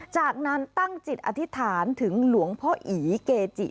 จากนั้นตั้งจิตอธิษฐานถึงหลวงพ่ออีเกจิ